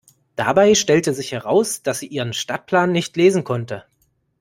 Dabei stellte sich heraus, dass sie ihren Stadtplan nicht lesen konnte.